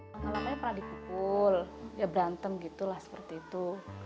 selama lamanya pernah dikukul ya berantem gitu